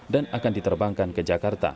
dan akan diterbangkan ke jakarta